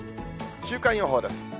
週間予報です。